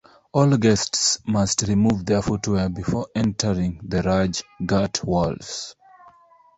All guests must remove their footwear before entering the Raj Ghat walls.